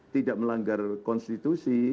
tidak melanggar konstitusi